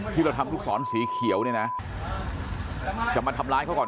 ที่เราทำลูกศรสีเขียวเนี่ยนะจะมาทำร้ายเขาก่อน